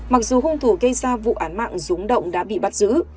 mặc dù hung thủ gây ra vụ án mạng rúng động đã bị bắt giữ